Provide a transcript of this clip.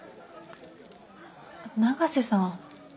永瀬さん。